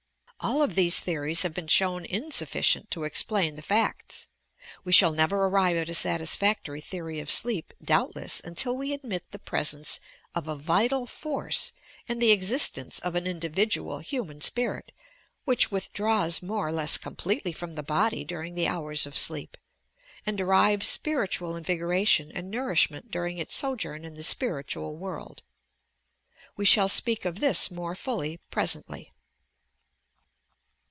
All of these theories have been shown insufficient to explain the facta. We shall never arrive at a satisfactory theory of sleep, doubtless, until we admit the presence of a vital force 132 YOUR PSYCHIC POWERS and the existeace of an individual human spirit, which withdraws more or less completely from the body during the hours of sleep, and derives spiritual invigoration and nourishment during its Bojourn in the spiritual world. We shall speak of this more fully presently.